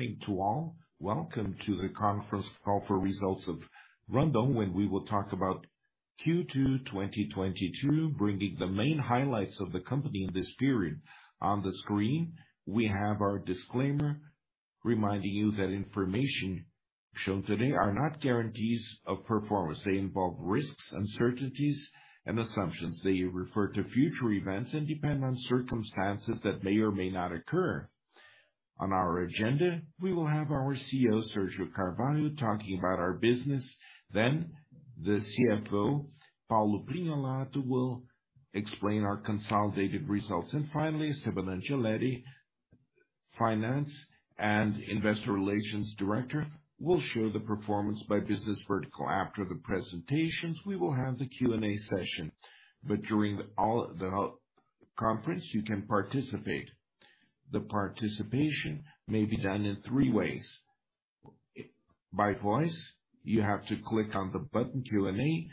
Morning to all. Welcome to the conference call for results of Randoncorp, when we will talk about Q2 2022, bringing the main highlights of the company in this period. On the screen, we have our disclaimer reminding you that information shown today are not guarantees of performance. They involve risks, uncertainties, and assumptions. They refer to future events and depend on circumstances that may or may not occur. On our agenda, we will have our CEO, Sérgio L. Carvalho, talking about our business. Then the CFO, Paulo Prignolato, will explain our consolidated results. Finally, Esteban Angeletti, Investor Relations and Corporate Finance Director, will show the performance by business vertical. After the presentations, we will have the Q&A session, but during all the conference, you can participate. The participation may be done in three ways. By voice, you have to click on the button Q&A.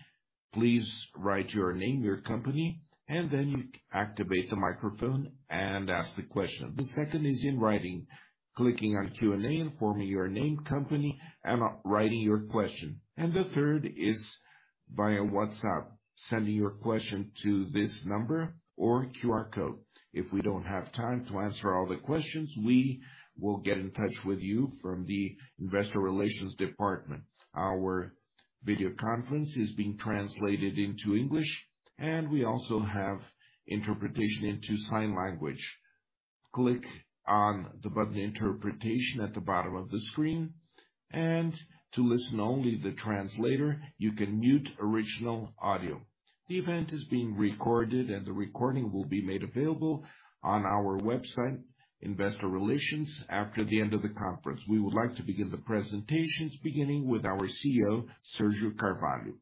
Please write your name, your company, and then you activate the microphone and ask the question. The second is in writing, clicking on Q&A, informing your name, company, and writing your question. The third is via WhatsApp, sending your question to this number or QR code. If we don't have time to answer all the questions, we will get in touch with you from the investor relations department. Our video conference is being translated into English, and we also have interpretation into sign language. Click on the button Interpretation at the bottom of the screen and to listen only the translator, you can mute original audio. The event is being recorded and the recording will be made available on our investor relations website after the end of the conference. We would like to begin the presentations beginning with our CEO, Sérgio Carvalho.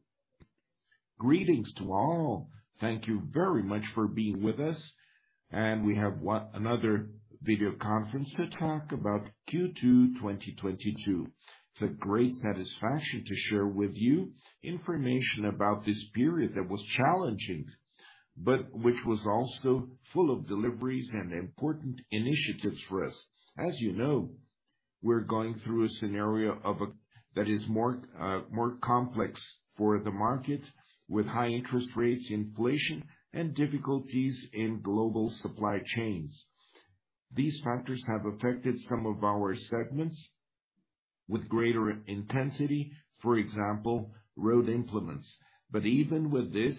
Greetings to all. Thank you very much for being with us, and we have another video conference to talk about Q2 2022. It's a great satisfaction to share with you information about this period that was challenging, but which was also full of deliveries and important initiatives for us. As you know, we're going through a scenario that is more complex for the market with high interest rates, inflation, and difficulties in global supply chains. These factors have affected some of our segments with greater intensity, for example, road implements. Even with this,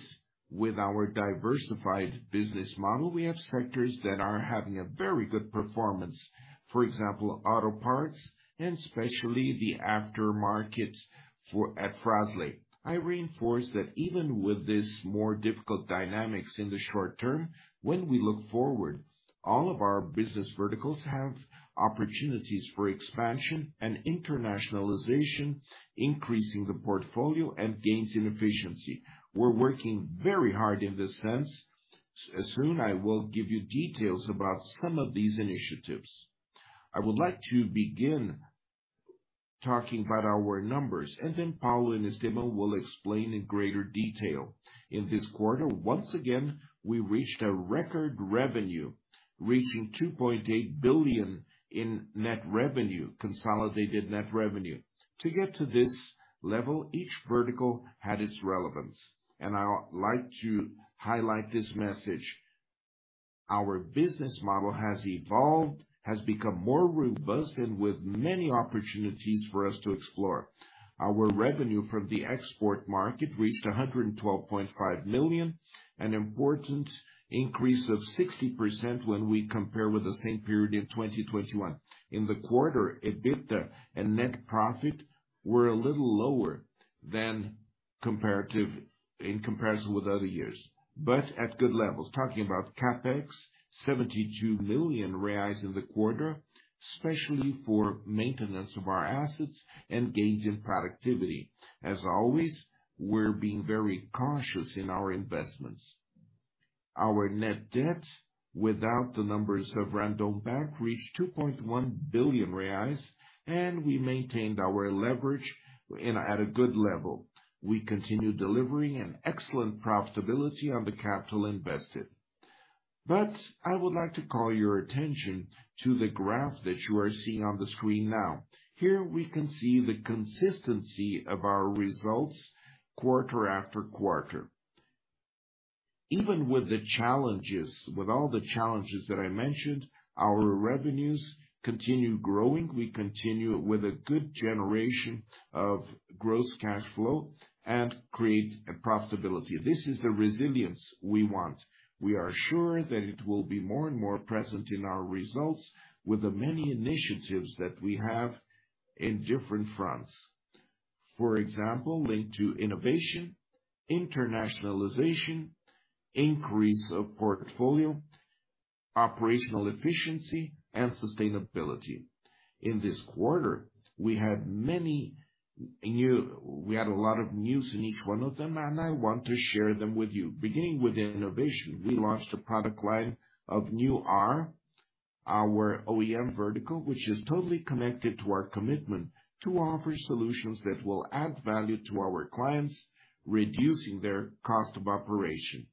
with our diversified business model, we have sectors that are having a very good performance. For example, auto parts and especially the after-market for Fras-le. I reinforce that even with this more difficult dynamics in the short term, when we look forward, all of our business verticals have opportunities for expansion and internationalization, increasing the portfolio and gains in efficiency. We're working very hard in this sense. Soon I will give you details about some of these initiatives. I would like to begin talking about our numbers, and then Paulo Prignolato and Esteban Angeletti will explain in greater detail. In this quarter, once again, we reached a record revenue, reaching 2.8 billion in net revenue, consolidated net revenue. To get to this level, each vertical had its relevance, and I would like to highlight this message. Our business model has evolved, has become more robust and with many opportunities for us to explore. Our revenue from the export market reached $112.5 million, an important increase of 60% when we compare with the same period in 2021. In the quarter, EBITDA and net profit were a little lower than in comparison with other years, but at good levels. Talking about CapEx, 72 million reais in the quarter, especially for maintenance of our assets and gains in productivity. As always, we're being very cautious in our investments. Our net debt without the numbers of Banco Randon reached 2.1 billion reais, and we maintained our leverage at a good level. We continue delivering an excellent profitability on the capital invested. I would like to call your attention to the graph that you are seeing on the screen now. Here we can see the consistency of our results quarter after quarter. Even with the challenges, with all the challenges that I mentioned, our revenues continue growing. We continue with a good generation of gross cash flow and create a profitability. This is the resilience we want. We are sure that it will be more and more present in our results with the many initiatives that we have in different fronts. For example, linked to innovation, internationalization, increase of portfolio, operational efficiency and sustainability. In this quarter, we had a lot of news in each one of them, and I want to share them with you. Beginning with innovation, we launched a product line for our OEM vertical, which is totally connected to our commitment to offer solutions that will add value to our clients, reducing their cost of operation.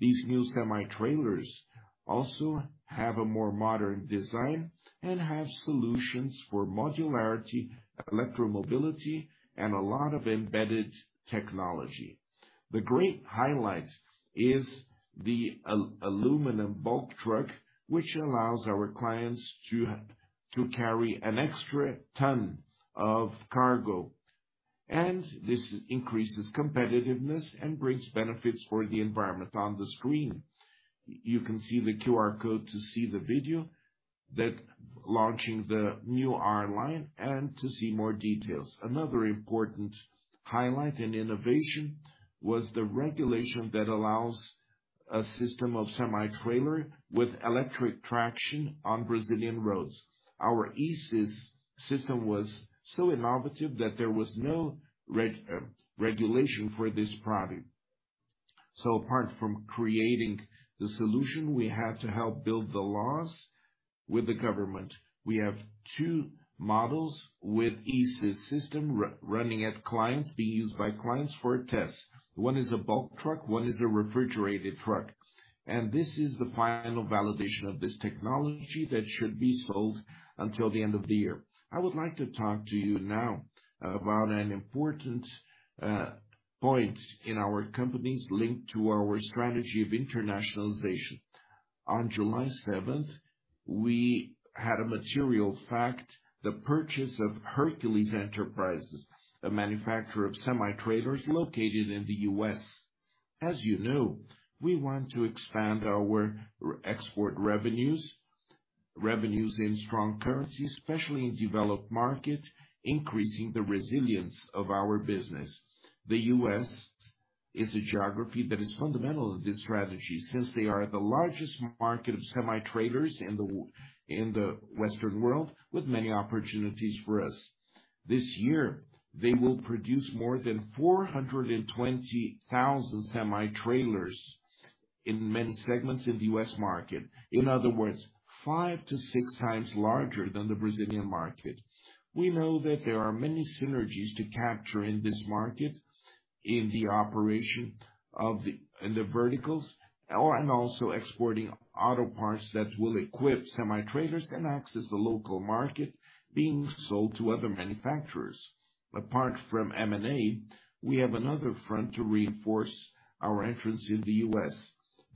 These new semi-trailers also have a more modern design and have solutions for modularity, electromobility, and a lot of embedded technology. The great highlight is the aluminum bulk truck, which allows our clients to carry an extra ton of cargo, and this increases competitiveness and brings benefits for the environment. On the screen, you can see the QR code to see the video that's launching the new Linha R and to see more details. Another important highlight and innovation was the regulation that allows a system of semi-trailer with electric traction on Brazilian roads. Our e-Sys system was so innovative that there was no regulation for this product. Apart from creating the solution, we had to help build the laws with the government. We have two models with e-Sys system running at clients, being used by clients for a test. One is a bulk truck, one is a refrigerated truck. This is the final validation of this technology that should be sold until the end of the year. I would like to talk to you now about an important point in our company's link to our strategy of internationalization. On July 17th, we had a material fact, the purchase of Hercules Enterprises, a manufacturer of semi-trailers located in the U.S. As you know, we want to expand our export revenues in strong currency, especially in developed markets, increasing the resilience of our business. The U.S. is a geography that is fundamental in this strategy since they are the largest market of semi-trailers in the Western world, with many opportunities for us. This year, they will produce more than 420,000 semi-trailers in many segments in the U.S. market. In other words, 5-6 times larger than the Brazilian market. We know that there are many synergies to capture in this market in the verticals, and also exporting auto parts that will equip semi-trailers and access the local market being sold to other manufacturers. Apart from M&A, we have another front to reinforce our entrance in the U.S.,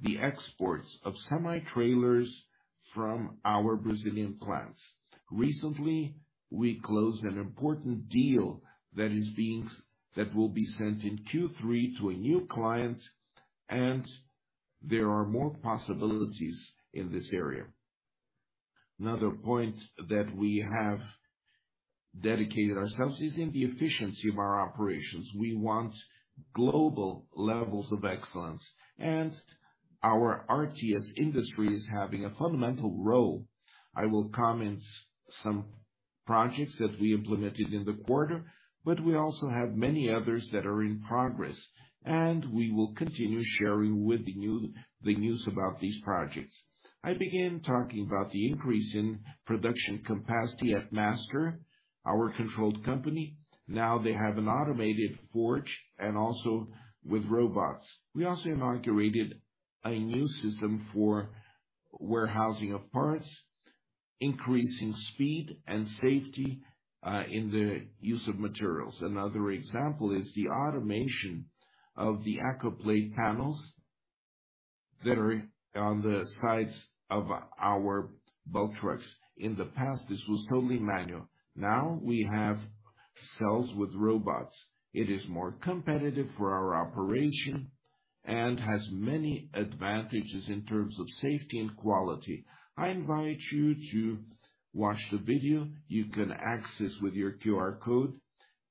the exports of semi-trailers from our Brazilian plants. Recently, we closed an important deal that will be sent in Q3 to a new client, and there are more possibilities in this area. Another point that we have dedicated ourselves is in the efficiency of our operations. We want global levels of excellence, and our RTS Industry is having a fundamental role. I will comment some projects that we implemented in the quarter, but we also have many others that are in progress, and we will continue sharing the news about these projects. I began talking about the increase in production capacity at Master, our controlled company. Now they have an automated forge and also with robots. We also inaugurated a new system for warehousing of parts, increasing speed and safety in the use of materials. Another example is the automation of the Ecoplate panels that are on the sides of our bulk trucks. In the past, this was totally manual. Now we have cells with robots. It is more competitive for our operation and has many advantages in terms of safety and quality. I invite you to watch the video you can access with your QR code.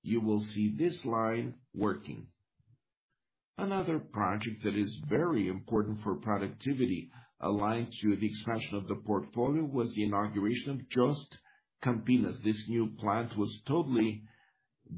You will see this line working. Another project that is very important for productivity, aligned to the expansion of the portfolio, was the inauguration of JOST Campinas. This new plant was totally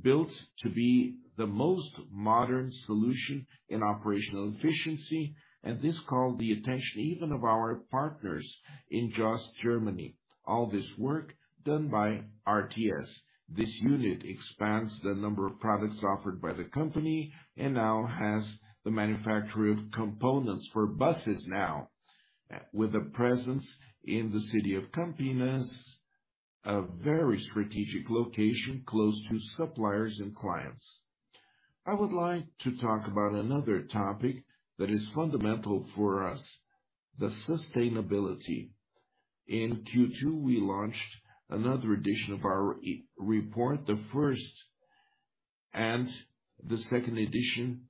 built to be the most modern solution in operational efficiency, and this called the attention even of our partners in JOST, Germany. All this work done by RTS. This unit expands the number of products offered by the company and now has the manufacture of components for buses now with a presence in the city of Campinas, a very strategic location close to suppliers and clients. I would like to talk about another topic that is fundamental for us, the sustainability. In Q2, we launched another edition of our e-report, the first and the second edition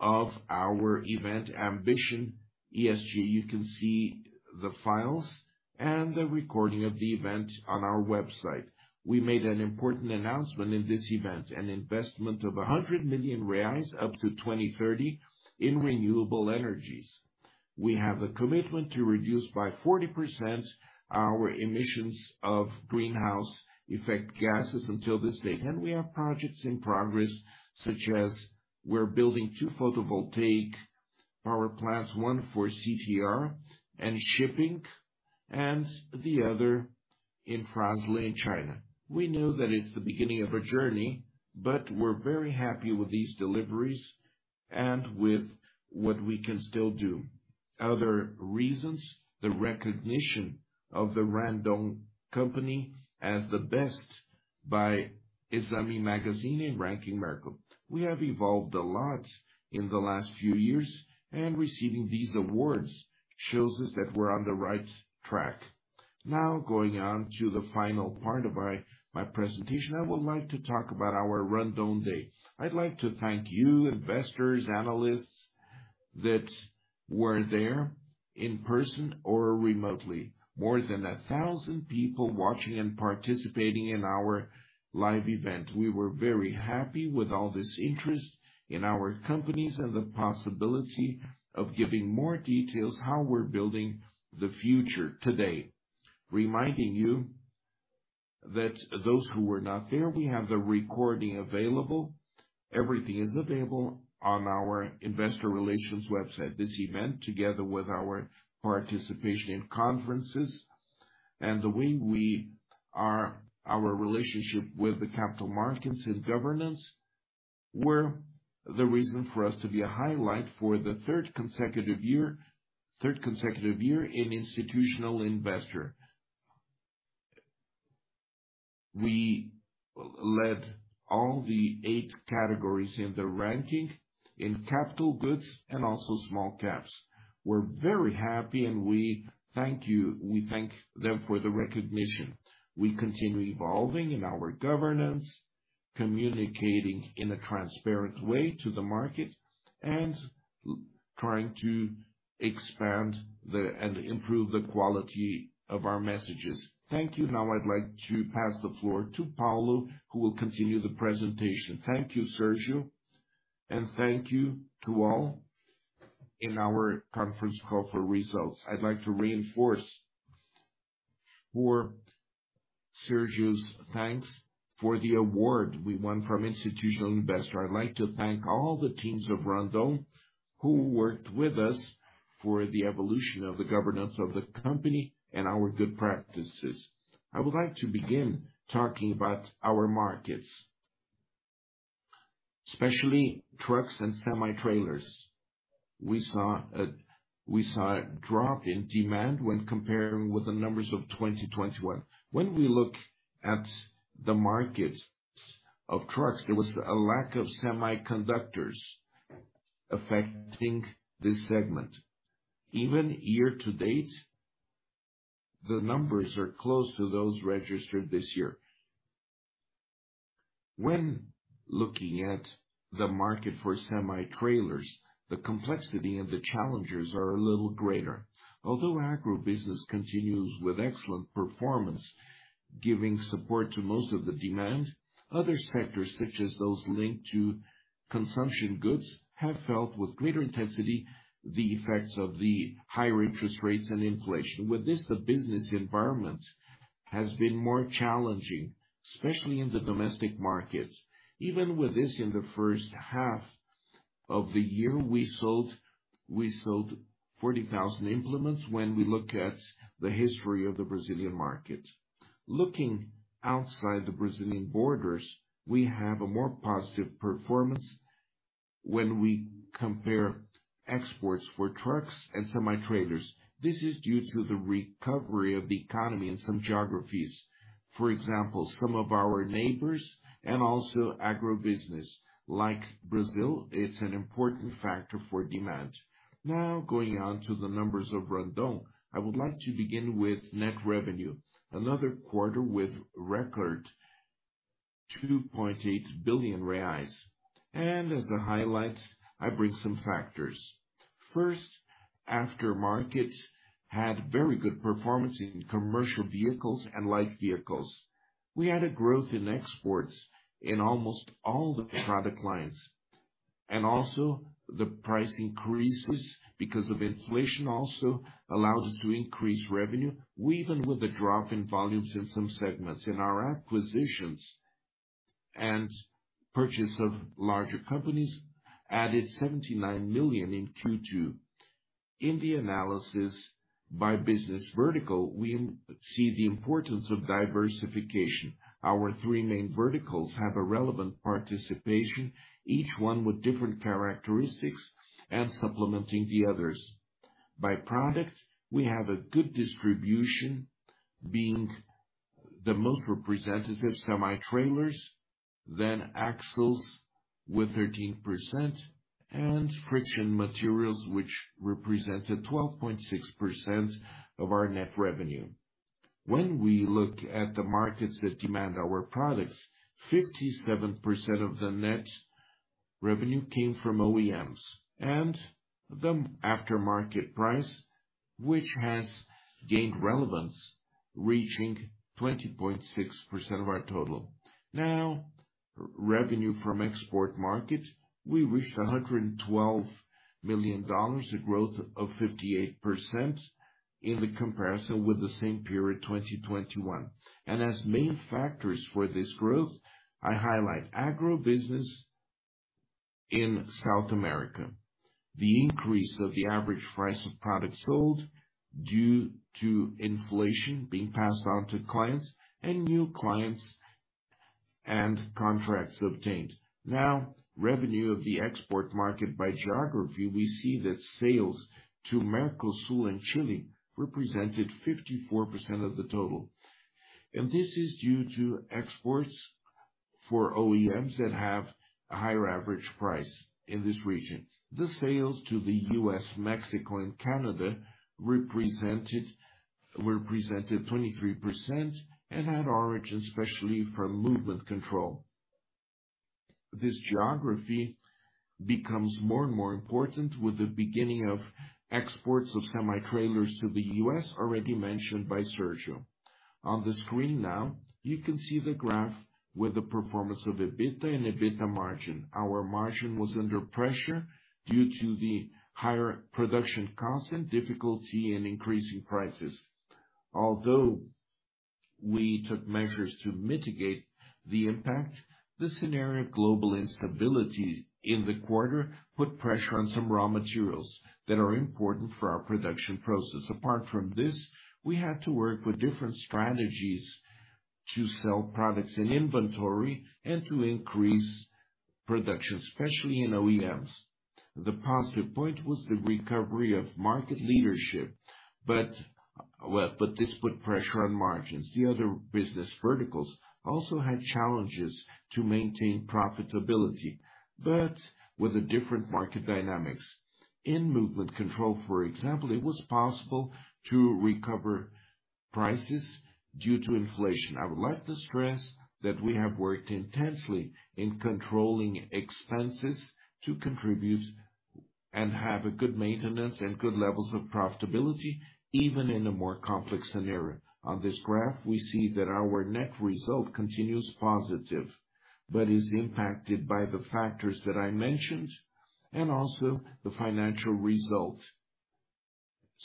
of our event, Ambiens ESG. You can see the files and the recording of the event on our website. We made an important announcement in this event, an investment of 100 million reais up to 2030 in renewable energies. We have a commitment to reduce by 40% our emissions of greenhouse effect gases until this date. We have projects in progress, such as we're building two photovoltaic power plants, one for CTR and shipping, and the other in France and China. We know that it's the beginning of a journey, but we're very happy with these deliveries and with what we can still do. Other reasons, the recognition of the Randoncorp as the best by ISAMI Magazine in ranking Merco. We have evolved a lot in the last few years, and receiving these awards shows us that we're on the right track. Now, going on to the final part of my presentation, I would like to talk about our Randon Day. I'd like to thank you, investors, analysts that were there in person or remotely. More than 1,000 people watching and participating in our live event. We were very happy with all this interest in our companies and the possibility of giving more details how we're building the future today. Reminding you that those who were not there, we have the recording available. Everything is available on our investor relations website. This event, together with our participation in conferences and the way we are, our relationship with the capital markets and governance, were the reason for us to be a highlight for the third consecutive year in Institutional Investor. We led all the eight categories in the ranking in capital goods and also small caps. We're very happy and we thank them for the recognition. We continue evolving in our governance, communicating in a transparent way to the market and trying to expand and improve the quality of our messages. Thank you. Now I'd like to pass the floor to Paulo, who will continue the presentation. Thank you, Sergio, and thank you to all in our conference call for results. I'd like to reinforce for Sergio's thanks for the award we won from Institutional Investor. I'd like to thank all the teams of Randon who worked with us for the evolution of the governance of the company and our good practices. I would like to begin talking about our markets, especially trucks and semi-trailers. We saw a drop in demand when comparing with the numbers of 2021. When we look at the markets of trucks, there was a lack of semiconductors affecting this segment. Even year to date, the numbers are close to those registered this year. When looking at the market for semi-trailers, the complexity and the challenges are a little greater. Although agribusiness continues with excellent performance, giving support to most of the demand, other sectors, such as those linked to consumption goods, have felt with greater intensity the effects of the higher interest rates and inflation. With this, the business environment has been more challenging, especially in the domestic markets. Even with this, in the first half of the year, we sold 40,000 implements when we look at the history of the Brazilian market. Looking outside the Brazilian borders, we have a more positive performance when we compare exports for trucks and semi-trailers. This is due to the recovery of the economy in some geographies. For example, some of our neighbors and also agribusiness, like Brazil, it's an important factor for demand. Now going on to the numbers of Randon. I would like to begin with net revenue. Another quarter with record 2.8 billion reais. As the highlights, I bring some factors. First, aftermarkets had very good performance in commercial vehicles and light vehicles. We had a growth in exports in almost all the product lines, and also the price increases because of inflation also allowed us to increase revenue, even with the drop in volumes in some segments. In our acquisitions and purchase of larger companies added 79 million in Q2. In the analysis by business vertical, we see the importance of diversification. Our three main verticals have a relevant participation, each one with different characteristics and supplementing the others. By product, we have a good distribution being the most representative semi-trailers, then axles with 13%, and friction materials, which represented 12.6% of our net revenue. When we look at the markets that demand our products, 57% of the net revenue came from OEMs. The aftermarket, which has gained relevance, reaching 20.6% of our total. Now, revenue from export market, we reached $112 million, a growth of 58%. In the comparison with the same period, 2021. As main factors for this growth, I highlight agribusiness in South America. The increase of the average price of products sold due to inflation being passed on to clients and new clients and contracts obtained. Now, revenue of the export market by geography, we see that sales to Mercosul and Chile represented 54% of the total. This is due to exports for OEMs that have a higher average price in this region. The sales to the U.S., Mexico and Canada represented 23% and had origin, especially from Movement Control. This geography becomes more and more important with the beginning of exports of semi-trailers to the U.S. already mentioned by Sérgio. On the screen now, you can see the graph with the performance of EBITDA and EBITDA margin. Our margin was under pressure due to the higher production costs and difficulty in increasing prices. Although we took measures to mitigate the impact, the scenario global instability in the quarter put pressure on some raw materials that are important for our production process. Apart from this, we had to work with different strategies to sell products in inventory and to increase production, especially in OEMs. The positive point was the recovery of market leadership, but, well, this put pressure on margins. The other business verticals also had challenges to maintain profitability, but with the different market dynamics. In movement control, for example, it was possible to recover prices due to inflation. I would like to stress that we have worked intensely in controlling expenses to contribute and have a good maintenance and good levels of profitability, even in a more complex scenario. On this graph, we see that our net result continues positive, but is impacted by the factors that I mentioned and also the financial result,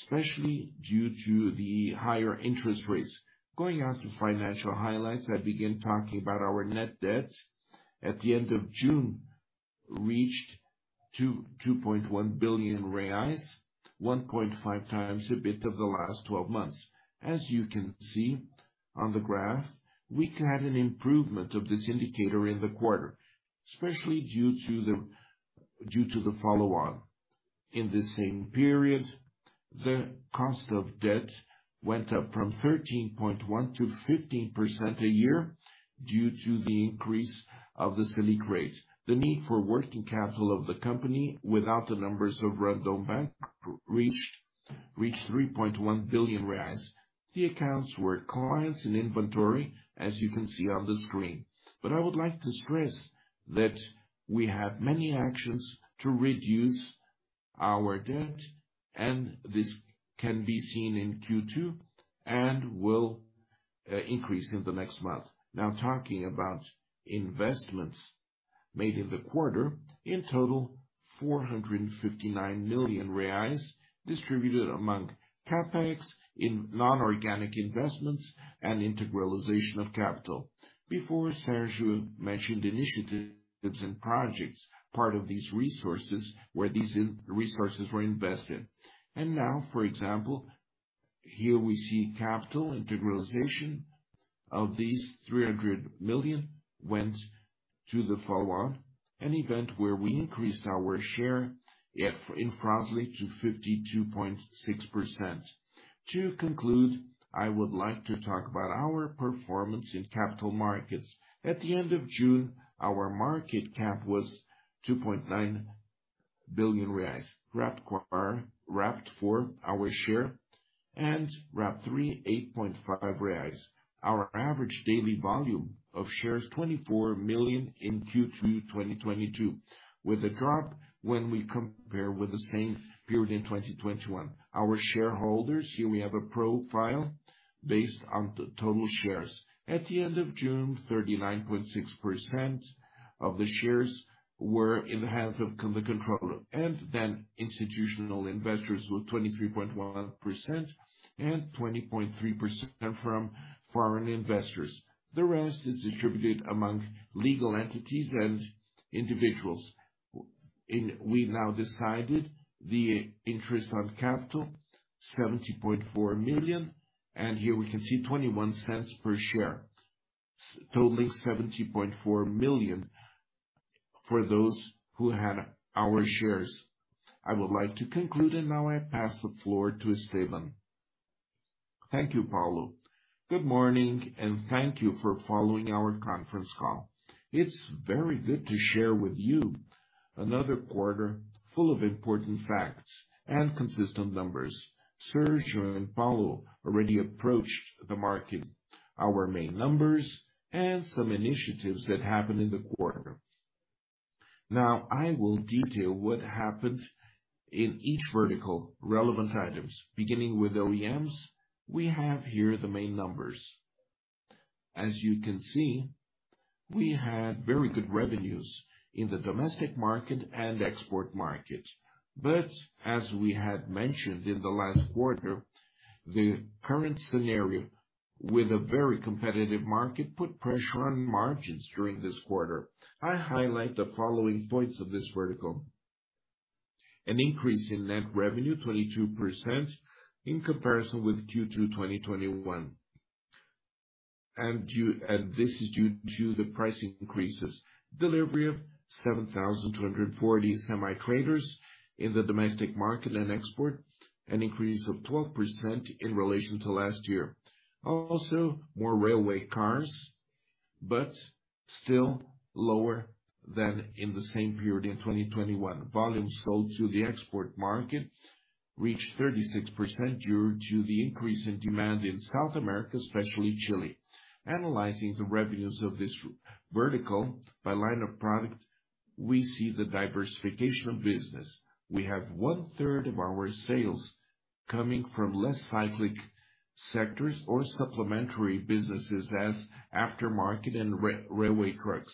especially due to the higher interest rates. Going on to financial highlights, I begin talking about our net debt. At the end of June, reached 2.1 billion reais, 1.5 times EBITDA of the last twelve months. As you can see on the graph, we had an improvement of this indicator in the quarter, especially due to the follow-on. In the same period, the cost of debt went up from 13.1% to 15% a year due to the increase of the SELIC rate. The need for working capital of the company without the numbers of Banco Randon reached 3.1 billion reais. The accounts were clients and inventory, as you can see on the screen. I would like to stress that we have many actions to reduce our debt, and this can be seen in Q2 and will increase in the next month. Now, talking about investments made in the quarter. In total, 459 million reais distributed among CapEx in non-organic investments and integralization of capital. Before, Sergio mentioned initiatives and projects, part of these resources, where these resources were invested. Now, for example, here we see capital integration. Of these, 300 million went to the follow-on, an event where we increased our share in Fras-le to 52.6%. To conclude, I would like to talk about our performance in capital markets. At the end of June, our market cap was 2.9 billion. RAPT3, RAPT4 our share and RAPT3 8.5 reais. Our average daily volume of shares, 24 million in Q2 2022, with a drop when we compare with the same period in 2021. Our shareholders, here we have a profile based on the total shares. At the end of June, 39.6% of the shares were in the hands of the controller, and then institutional investors with 23.1% and 20.3% from foreign investors. The rest is distributed among legal entities and individuals. We've now decided the interest on capital, 70.4 million, and here we can see 0.21 per share, totaling 70.4 million for those who had our shares. I would like to conclude, and now I pass the floor to Sandro Trentin. Thank you, Paulo Prignolato. Good morning, and thank you for following our conference call. It's very good to share with you another quarter full of important facts and consistent numbers. Sérgio L. Carvalho and Paulo Prignolato already approached the market, our main numbers, and some initiatives that happened in the quarter. Now I will detail what happened in each vertical relevant items. Beginning with OEMs, we have here the main numbers. As you can see, we had very good revenues in the domestic market and export market. As we had mentioned in the last quarter, the current scenario with a very competitive market put pressure on margins during this quarter. I highlight the following points of this vertical. An increase in net revenue 22% in comparison with Q2 2021. This is due to the price increases. Delivery of 7,240 semi-trailers in the domestic market and export, an increase of 12% in relation to last year. Also, more railway cars, but still lower than in the same period in 2021. Volumes sold to the export market reached 36% due to the increase in demand in South America, especially Chile. Analyzing the revenues of this vertical by line of product, we see the diversification of business. We have one-third of our sales coming from less cyclic sectors or supplementary businesses as aftermarket and railway trucks.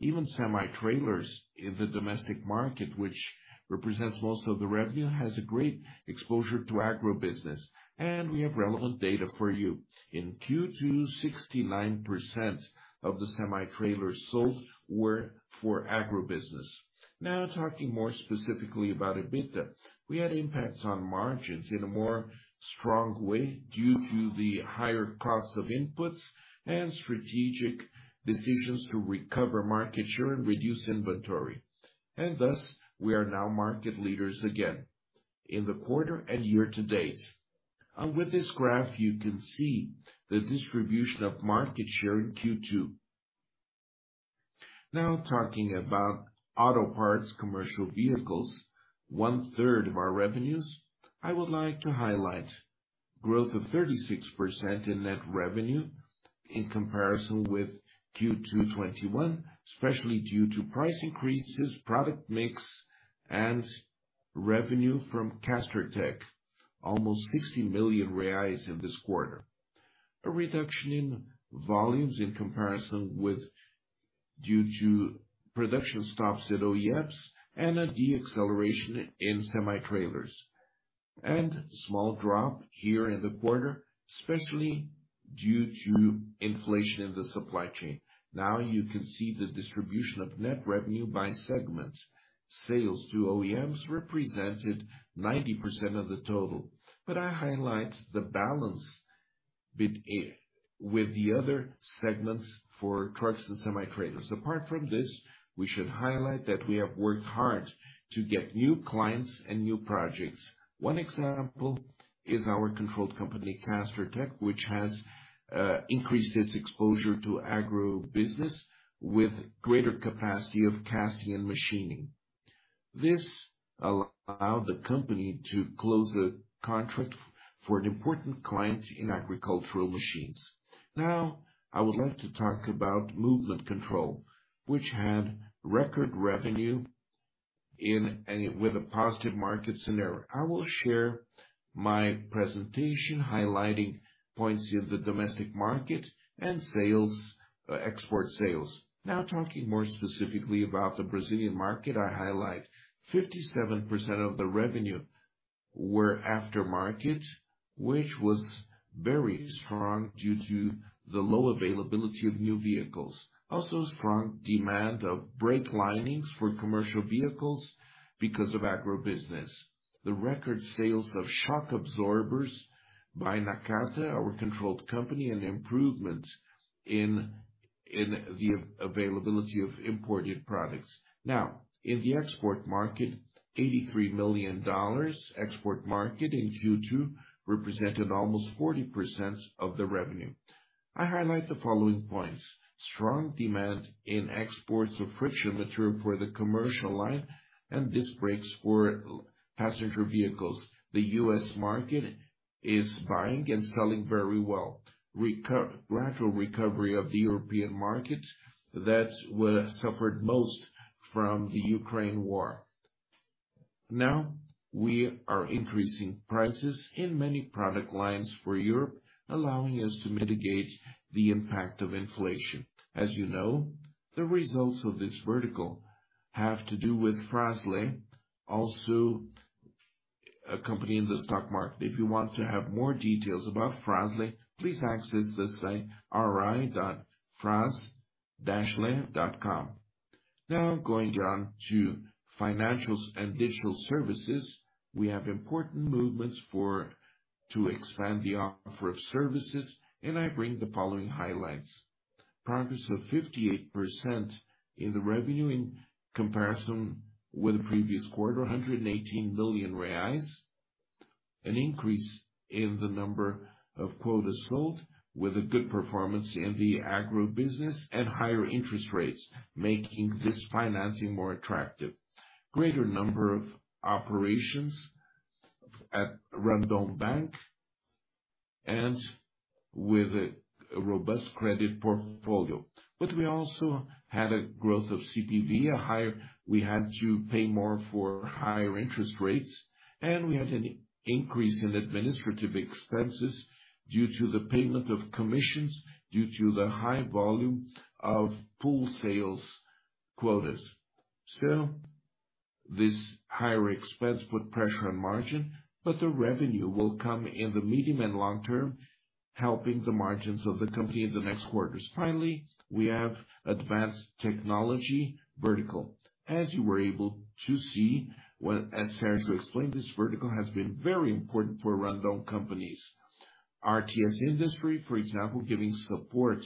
Even semi-trailers in the domestic market, which represents most of the revenue, has a great exposure to agribusiness. We have relevant data for you. In Q2, 69% of the semi-trailers sold were for agribusiness. Now, talking more specifically about EBITDA. We had impacts on margins in a more strong way due to the higher cost of inputs and strategic decisions to recover market share and reduce inventory. We are now market leaders again in the quarter and year to date. With this graph, you can see the distribution of market share in Q2. Now talking about auto parts commercial vehicles, 1/3 of our revenues, I would like to highlight growth of 36% in net revenue in comparison with Q2 2021, especially due to price increases, product mix, and revenue from CastorTech, almost 60 million reais in this quarter. A reduction in volumes due to production stops at OEMs and a deceleration in semi-trailers, and small drop here in the quarter, especially due to inflation in the supply chain. Now you can see the distribution of net revenue by segment. Sales to OEMs represented 90% of the total. I highlight the balance with the other segments for trucks and semi-trailers. Apart from this, we should highlight that we have worked hard to get new clients and new projects. One example is our controlled company, CastorTech, which has increased its exposure to agribusiness with greater capacity of casting and machining. This allowed the company to close a contract for an important client in agricultural machines. Now, I would like to talk about movement control, which had record revenue with a positive market scenario. I will share my presentation highlighting points in the domestic market and sales, export sales. Now talking more specifically about the Brazilian market, I highlight 57% of the revenue were aftermarket, which was very strong due to the low availability of new vehicles. Also strong demand of brake linings for commercial vehicles because of agribusiness. The record sales of shock absorbers by Nakata, our controlled company, and improvement in the availability of imported products. Now, in the export market, $83 million export market in Q2 represented almost 40% of the revenue. I highlight the following points: strong demand in exports of friction material for the commercial line and disc brakes for passenger vehicles. The U.S. market is buying and selling very well. Gradual recovery of the European market, that's what suffered most from the Ukraine war. Now, we are increasing prices in many product lines for Europe, allowing us to mitigate the impact of inflation. As you know, the results of this vertical have to do with Fras-le, also a company in the stock market. If you want to have more details about Fras-le, please access the site fraslemobility.com. Now going down to financials and digital services. We have important movements to expand the offer of services, and I bring the following highlights. Progress of 58% in the revenue in comparison with the previous quarter, 118 million reais. An increase in the number of quotas sold with a good performance in the agro business and higher interest rates, making this financing more attractive. Greater number of operations at Banco Randon and with a robust credit portfolio. We also had a growth of CPV. We had to pay more for higher interest rates, and we had an increase in administrative expenses due to the payment of commissions due to the high volume of pool sales quotas. This higher expense put pressure on margin, but the revenue will come in the medium and long term, helping the margins of the company in the next quarters. Finally, we have advanced technology vertical. As you were able to see as Sérgio explained, this vertical has been very important for Randon companies. RTS Industry, for example, giving support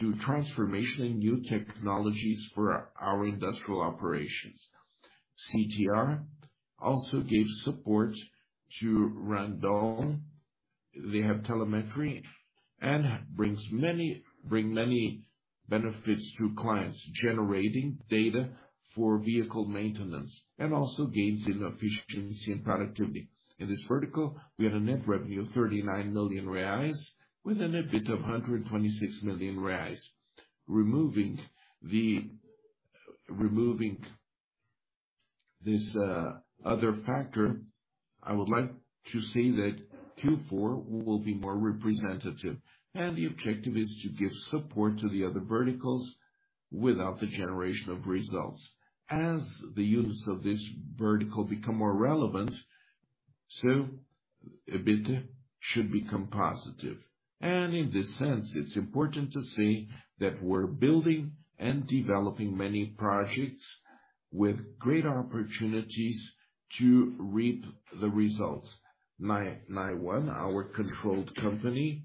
to transformation in new technologies for our industrial operations. CTR also gave support to Randon. They have telemetry and bring many benefits to clients, generating data for vehicle maintenance, and also gains in efficiency and productivity. In this vertical, we had a net revenue of 39 million reais with a net EBIT of 126 million reais. Removing this other factor, I would like to say that Q4 will be more representative, and the objective is to give support to the other verticals without the generation of results. As the use of this vertical become more relevant, so EBITDA should become positive. In this sense, it's important to say that we're building and developing many projects with great opportunities to reap the results. NIONE, our controlled company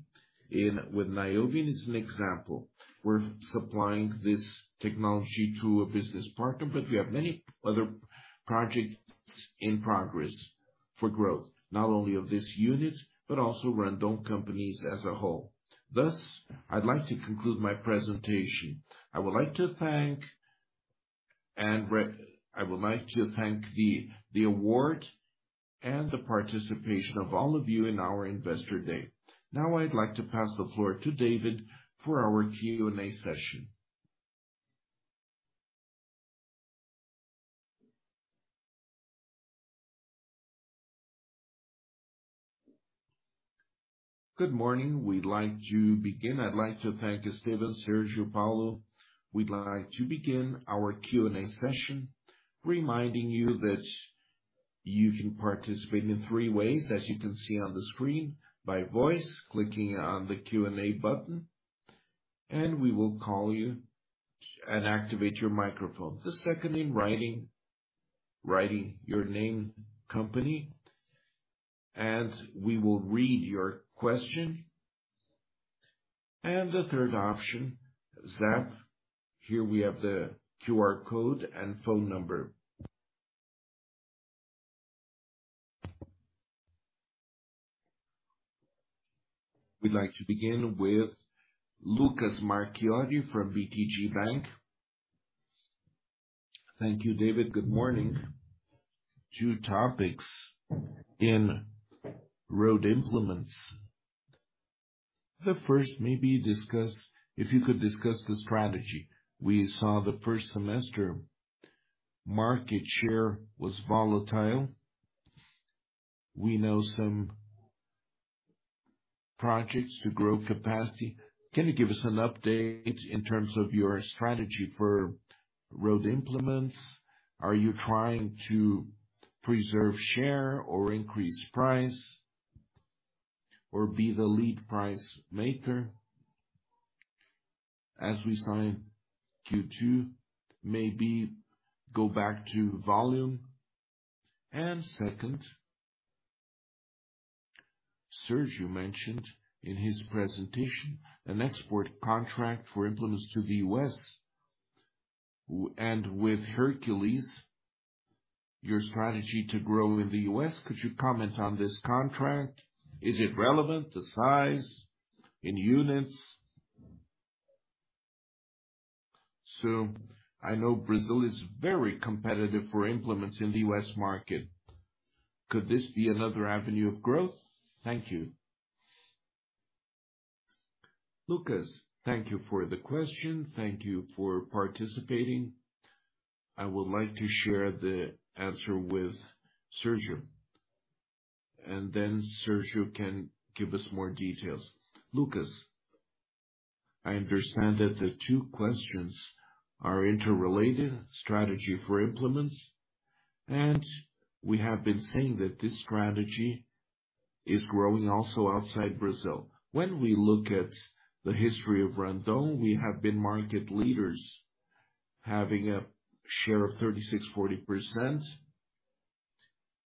with Niobin, is an example. We're supplying this technology to a business partner, but we have many other projects in progress for growth, not only of this unit but also Randon companies as a whole. Thus, I'd like to conclude my presentation. I would like to thank the award and the participation of all of you in our Investor Day. Now I'd like to pass the floor to David for our Q&A session. Good morning. We'd like to begin. I'd like to thank Esteban, Sergio, Paulo. We'd like to begin our Q&A session, reminding you that you can participate in three ways, as you can see on the screen, by voice, clicking on the Q&A button, and we will call you and activate your microphone. The second, in writing your name, company, and we will read your question. The third option is that here we have the QR code and phone number. We'd like to begin with Lucas Marquiori from BTG Bank. Thank you, David. Good morning. Two topics in road implements. The first, if you could discuss the strategy. We saw the first semester market share was volatile. We know some projects to grow capacity. Can you give us an update in terms of your strategy for road implements? Are you trying to preserve share or increase price or be the lead price maker as we sign Q2, maybe go back to volume? Second, Sérgio mentioned in his presentation an export contract for implements to the U.S. and with Hercules, your strategy to grow in the U.S. Could you comment on this contract? Is it relevant, the size in units? So I know Brazil is very competitive for implements in the U.S. market. Could this be another avenue of growth? Thank you. Lucas, thank you for the question. Thank you for participating. I would like to share the answer with Sérgio, and then Sérgio can give us more details. Lucas, I understand that the two questions are interrelated, strategy for implements, and we have been saying that this strategy is growing also outside Brazil. When we look at the history of Randon, we have been market leaders, having a share of 36%-40%,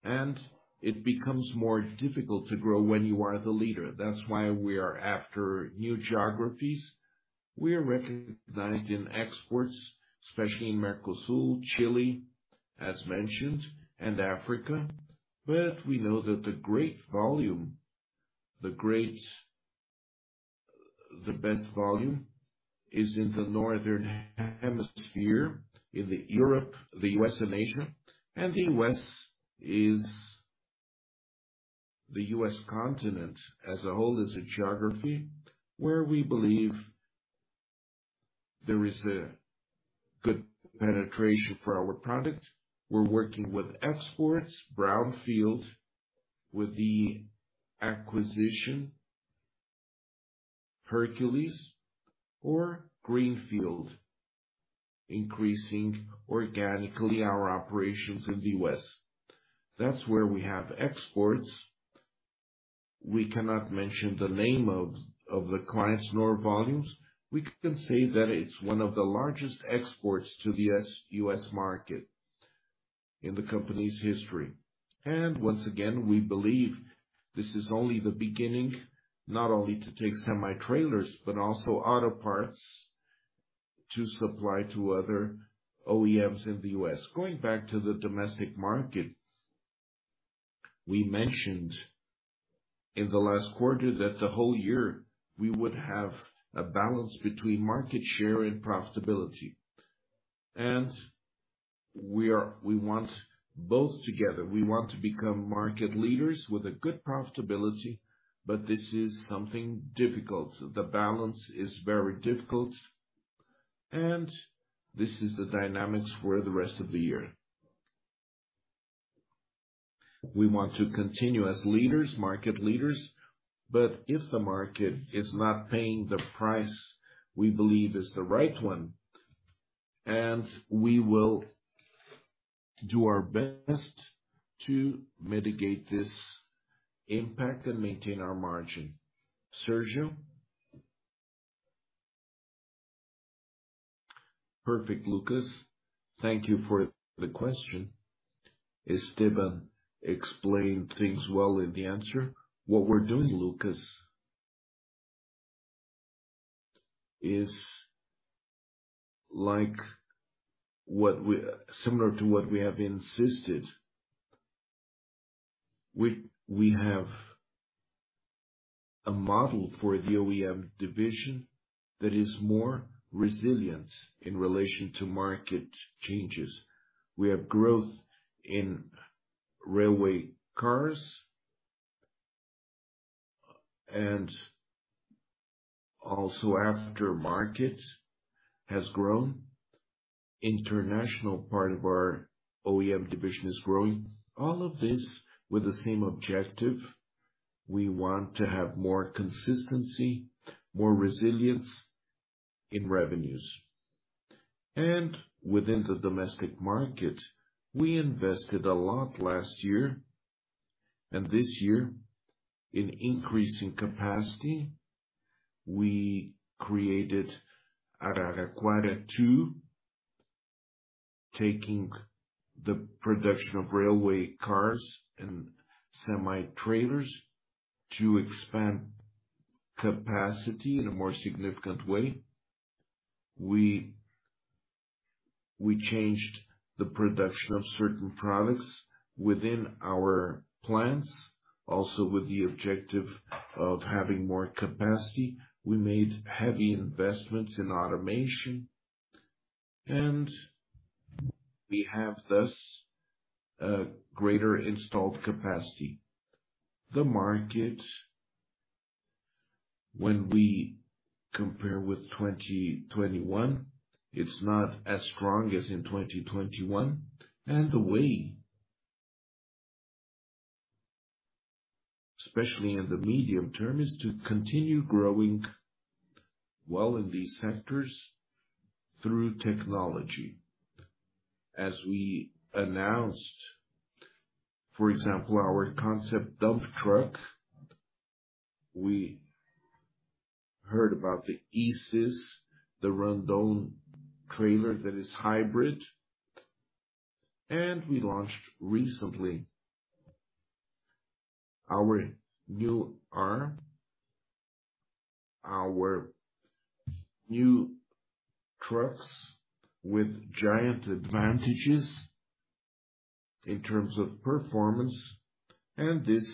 and it becomes more difficult to grow when you are the leader. That's why we are after new geographies. We are recognized in exports, especially in Mercosul, Chile, as mentioned, and Africa. We know that the best volume is in the Northern Hemisphere, in Europe, the U.S., and Asia. The U.S. continent as a whole is a geography where we believe there is a good penetration for our product. We're working with exports, brownfield, with the acquisition Hercules or Greenfield, increasing organically our operations in the U.S.. That's where we have exports. We cannot mention the name of the clients nor volumes. We can say that it's one of the largest exports to the U.S. market in the company's history. Once again, we believe this is only the beginning, not only to take semi-trailers, but also auto parts to supply to other OEMs in the U.S.. Going back to the domestic market, we mentioned in the last quarter that the whole year we would have a balance between market share and profitability. We want both together. We want to become market leaders with a good profitability, but this is something difficult. The balance is very difficult, and this is the dynamics for the rest of the year. We want to continue as leaders, market leaders, but if the market is not paying the price we believe is the right one, and we will do our best to mitigate this impact and maintain our margin. Sérgio? Perfect, Lucas. Thank you for the question. Has Sandro Trentin explained things well in the answer? What we're doing, Lucas, is similar to what we have insisted. We have a model for the OEM division that is more resilient in relation to market changes. We have growth in railway cars, and also aftermarket has grown. International part of our OEM division is growing. All of this with the same objective. We want to have more consistency, more resilience in revenues. Within the domestic market, we invested a lot last year and this year in increasing capacity. We created Araraquara II, taking the production of railway cars and semi-trailers to expand capacity in a more significant way. We changed the production of certain products within our plants, also with the objective of having more capacity. We made heavy investments in automation, and we have thus a greater installed capacity. The market, when we compare with 2021, it's not as strong as in 2021. The way, especially in the medium term, is to continue growing well in these sectors through technology. As we announced, for example, our concept dump truck, we heard about the e-Sys, the Randon trailer that is hybrid, and we launched recently our new R, our new trucks with giant advantages in terms of performance, and this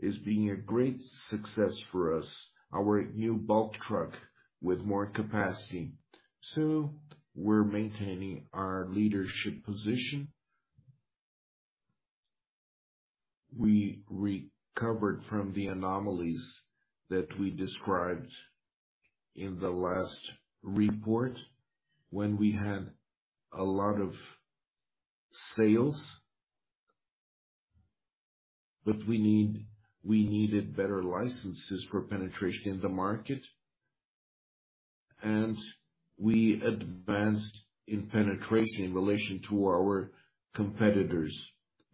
is being a great success for us, our new bulk truck with more capacity. We're maintaining our leadership position. We recovered from the anomalies that we described in the last report when we had a lot of sales. We needed better licenses for penetration in the market, and we advanced in penetration in relation to our competitors.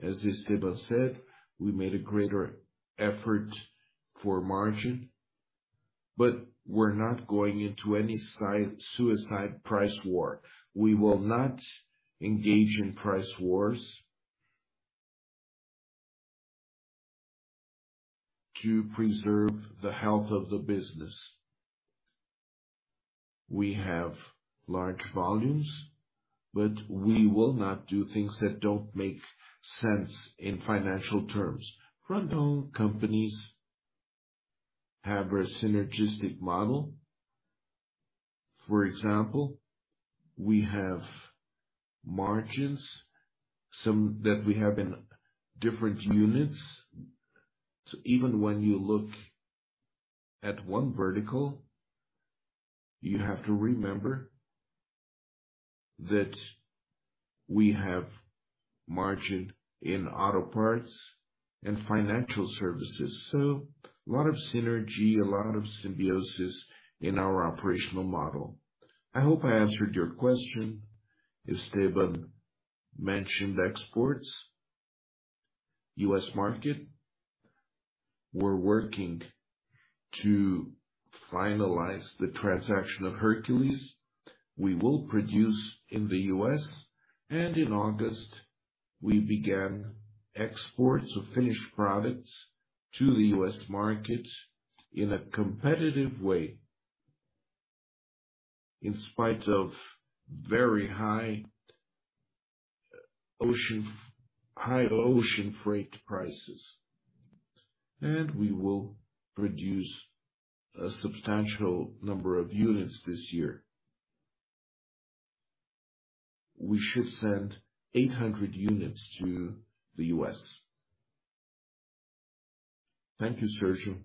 As Esteban said, we made a greater effort for margin, but we're not going into any suicidal price war. We will not engage in price wars to preserve the health of the business. We have large volumes, but we will not do things that don't make sense in financial terms. Randon companies have a synergistic model. For example, we have margins, some that we have in different units. Even when you look at one vertical, you have to remember that we have margin in auto parts and financial services. A lot of synergy, a lot of symbiosis in our operational model. I hope I answered your question. Esteban mentioned exports, U.S. market. We're working to finalize the transaction of Hercules. We will produce in the U.S., and in August we began exports of finished products to the U.S. market in a competitive way, in spite of very high ocean freight prices. We will produce a substantial number of units this year. We should send 800 units to the U.S. Thank you, Sérgio.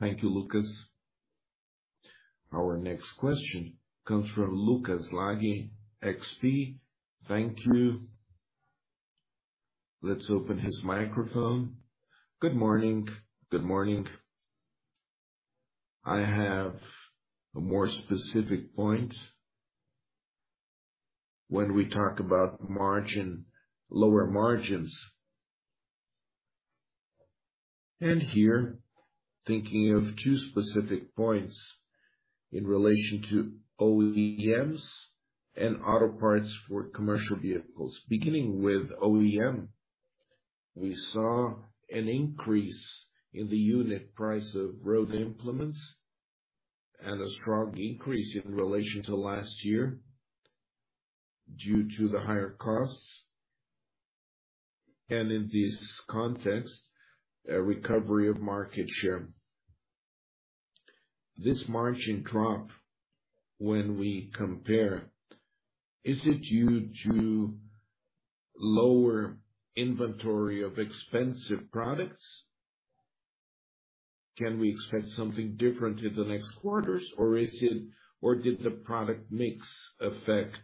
Thank you, Lucas. Our next question comes from Lucas Laghi, XP. Thank you. Let's open his microphone. Good morning. Good morning. I have a more specific point when we talk about margin, lower margins. Here, thinking of two specific points in relation to OEMs and auto parts for commercial vehicles. Beginning with OEM, we saw an increase in the unit price of road implements and a strong increase in relation to last year due to the higher costs, and in this context, a recovery of market share. This margin drop, when we compare, is it due to lower inventory of expensive products? Can we expect something different in the next quarters, or did the product mix affect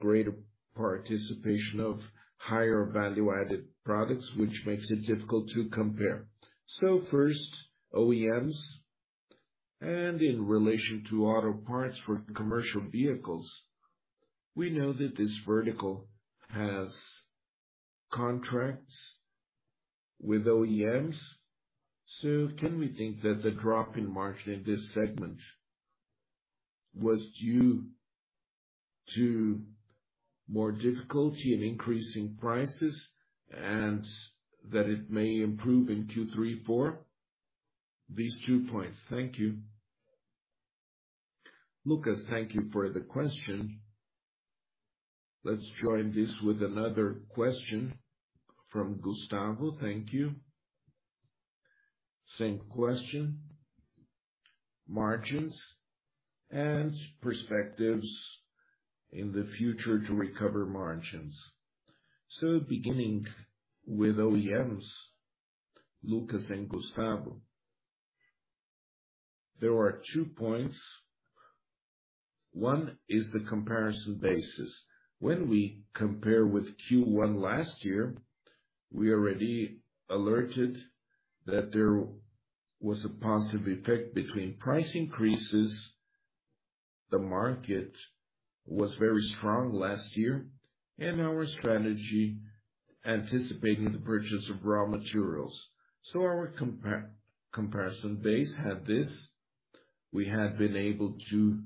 greater participation of higher value-added products, which makes it difficult to compare? First, OEMs, and in relation to auto parts for commercial vehicles, we know that this vertical has contracts with OEMs. Can we think that the drop in margin in this segment was due to more difficulty in increasing prices and that it may improve in Q3, Q4? These two points. Thank you. Lucas, thank you for the question. Let's join this with another question from Gustavo. Thank you. Same question, margins and prospects in the future to recover margins. Beginning with OEMs, Lucas and Gustavo, there are two points. One is the comparison basis. When we compare with Q1 last year, we already alerted that there was a positive effect between price increases. The market was very strong last year and our strategy anticipating the purchase of raw materials. Our comparison base had this. We had been able to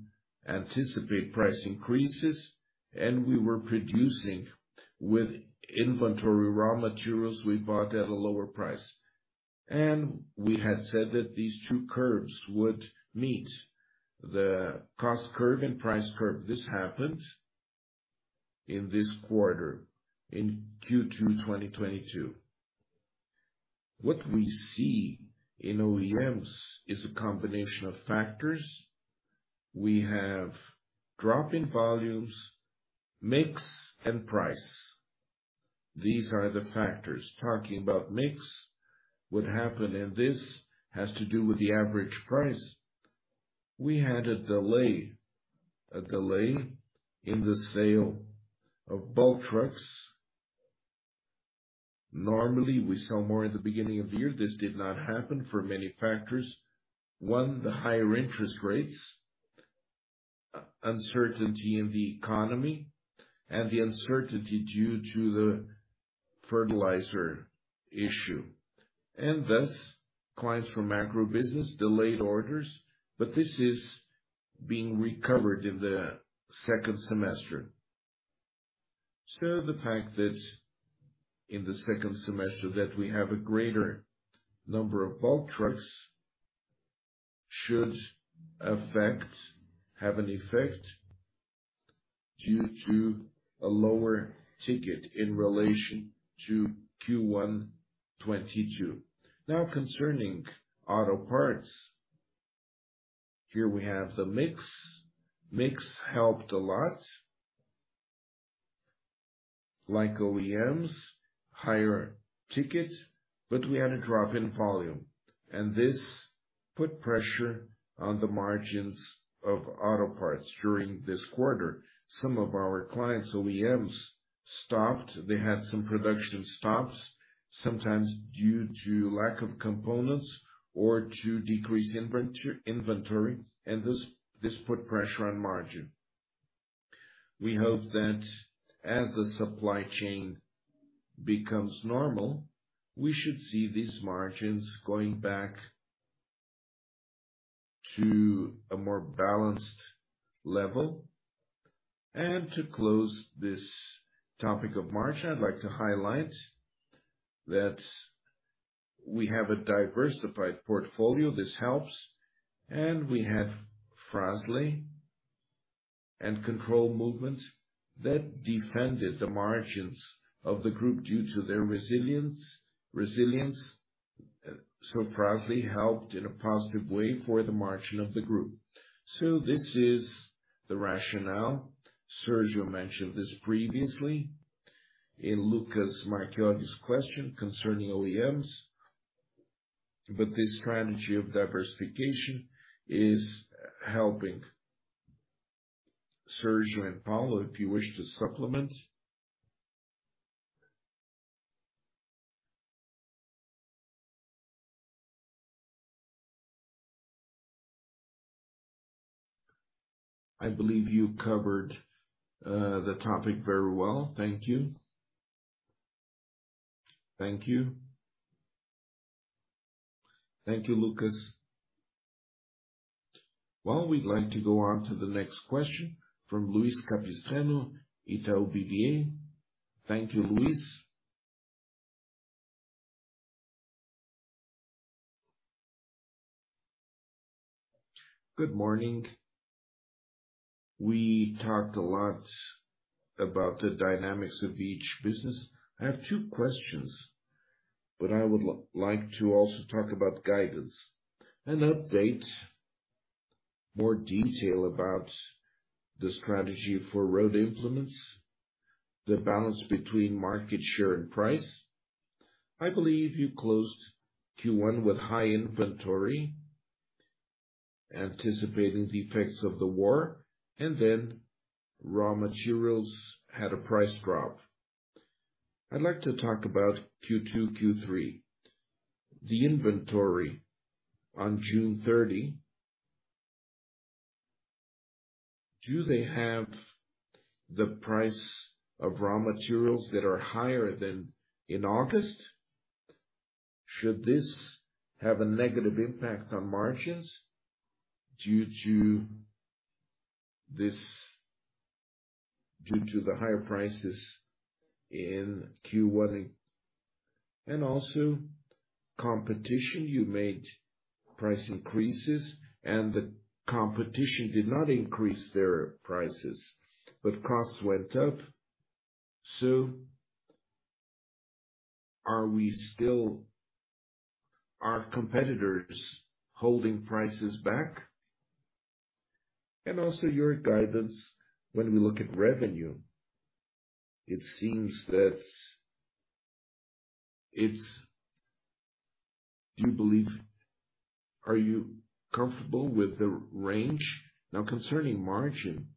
anticipate price increases, and we were producing with inventory raw materials we bought at a lower price. We had said that these two curves would meet, the cost curve and price curve. This happened in this quarter, in Q2 2022. What we see in OEMs is a combination of factors. We have drop in volumes, mix, and price. These are the factors. Talking about mix, what happened, and this has to do with the average price, we had a delay, a delay in the sale of bulk trucks. Normally, we sell more at the beginning of the year. This did not happen for many factors. One, the higher interest rates, uncertainty in the economy, and the uncertainty due to the fertilizer issue. Thus, clients from macro business delayed orders, but this is being recovered in the second semester. The fact that in the second semester that we have a greater number of bulk trucks should affect, have an effect due to a lower ticket in relation to Q1 2022. Now concerning auto parts, here we have the mix. Mix helped a lot, like OEMs, higher tickets, but we had a drop in volume, and this put pressure on the margins of auto parts during this quarter. Some of our clients, OEMs, stopped. They had some production stops, sometimes due to lack of components or to decrease inventory, and this put pressure on margin. We hope that as the supply chain becomes normal, we should see these margins going back to a more balanced level. To close this topic of margin, I'd like to highlight that we have a diversified portfolio. This helps, and we have Fras-le and Controle de Movimentos that defended the margins of the group due to their resilience. Fras-le helped in a positive way for the margin of the group. This is the rationale. Sérgio mentioned this previously in Lucas Marquiori's question concerning OEMs, but this strategy of diversification is helping. Sérgio and Paulo, if you wish to supplement. I believe you covered the topic very well. Thank you, Lucas. Well, we'd like to go on to the next question from Luiz Capistrano, Itaú BBA. Thank you, Luiz. Good morning. We talked a lot about the dynamics of each business. I have two questions, but I would like to also talk about guidance and update more detail about the strategy for Randon Implementos, the balance between market share and price. I believe you closed Q1 with high inventory, anticipating the effects of the war, and then raw materials had a price drop. I'd like to talk about Q2, Q3. The inventory on June 30, do they have the price of raw materials that are higher than in August? Should this have a negative impact on margins due to the higher prices in Q1? Competition, you made price increases and the competition did not increase their prices, but costs went up. Are competitors holding prices back? Your guidance when we look at revenue, it seems that it's. Are you comfortable with the range? Now, concerning margin,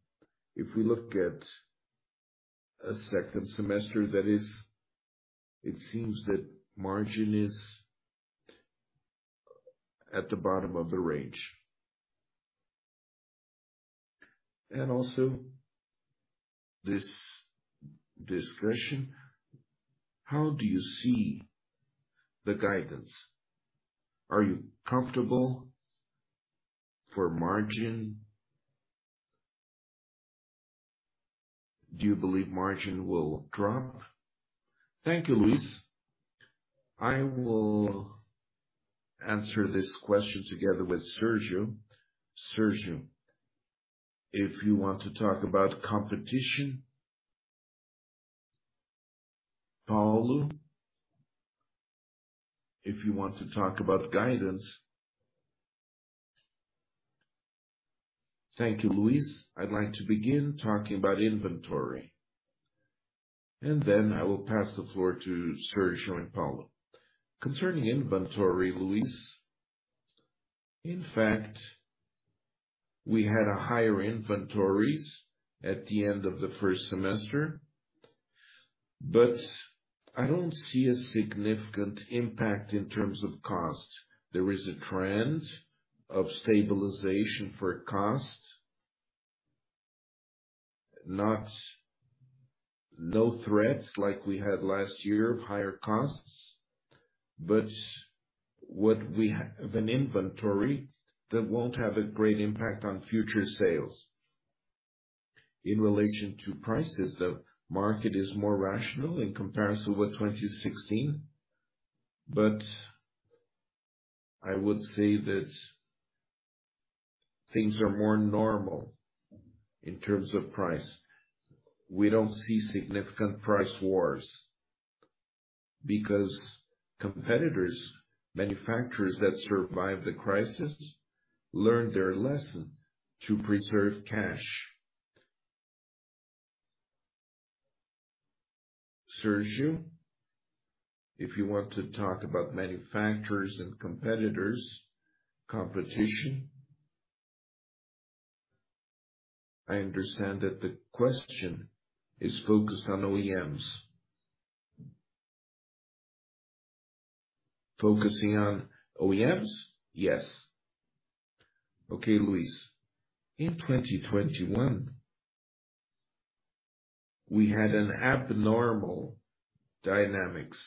if we look at a second semester that is, it seems that margin is at the bottom of the range. Also this discretion, how do you see the guidance? Are you comfortable for margin? Do you believe margin will drop? Thank you, Luiz. I will answer this question together with Sérgio. Sérgio, if you want to talk about competition. Paulo, if you want to talk about guidance. Thank you, Luiz. I'd like to begin talking about inventory, and then I will pass the floor to Sérgio and Paulo. Concerning inventory, Luiz, in fact, we had a higher inventories at the end of the first semester, but I don't see a significant impact in terms of cost. There is a trend of stabilization for cost. No threats like we had last year of higher costs, but what we have of an inventory that won't have a great impact on future sales. In relation to prices, the market is more rational in comparison with 2016, but I would say that things are more normal in terms of price. We don't see significant price wars because competitors, manufacturers that survived the crisis learned their lesson to preserve cash. Sérgio, if you want to talk about manufacturers and competitors, competition. I understand that the question is focused on OEMs. Focusing on OEMs? Yes. Okay, Luiz. In 2021, we had an abnormal dynamics.